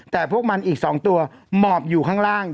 แต่พวกมันอีก๒ตัวหมอบอยู่ข้างล่าง